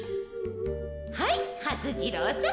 はいはす次郎さん。